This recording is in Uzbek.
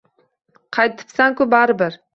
Qaytibsan-ku baribir